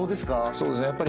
そうですね